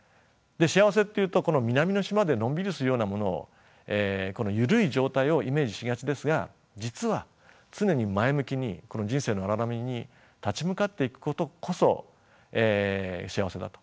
幸せっていうとこの南の島でのんびりするようなものをこの緩い状態をイメージしがちですが実は常に前向きにこの人生の荒波に立ち向かっていくことこそ幸せだと。